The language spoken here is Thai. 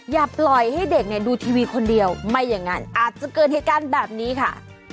อย่าปล่อยให้เด็กเนี่ยดูทีวีคนเดียวไม่อย่างนั้นอาจจะเกิดเหตุการณ์แบบนี้ค่ะ